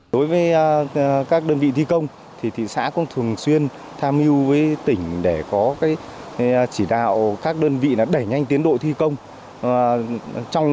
đối với các đơn vị thi công thì thị xã cũng thường xuyên tham mưu với tỉnh để có chỉ đạo các đơn vị đẩy nhanh tiến độ thi công